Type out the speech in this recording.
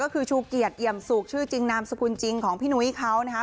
ก็คือชูเกียรติเอี่ยมสุกชื่อจริงนามสกุลจริงของพี่นุ้ยเขานะคะ